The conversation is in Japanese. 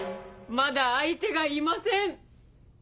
まだ相手がいません！